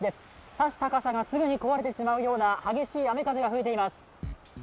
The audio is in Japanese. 刺した傘がすぐに壊れてしまうような激しい雨風が吹いています。